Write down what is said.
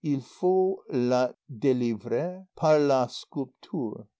Il faut la délivrer par la sculpture.